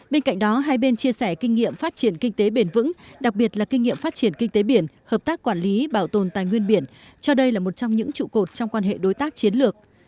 bên cạnh đó hai bên chia sẻ kinh nghiệm phát triển kinh tế bền vững đặc biệt là kinh nghiệm phát triển kinh tế biển hợp tác quản lý bảo tồn tài nguyên biển cho đây là một trong những trụ cột trong quan hệ đối tác chiến lược